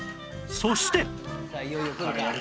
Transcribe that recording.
そして